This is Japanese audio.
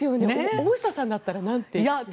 大下さんだったらなんて読みますか？